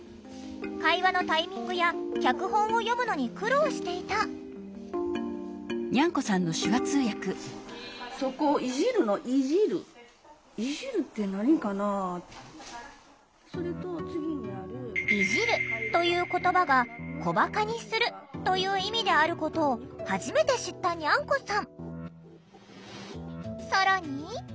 会話のタイミングや脚本を読むのに苦労していた「いじる」という言葉が「こばかにする」という意味であることを初めて知ったＮｙａｎｋｏさん。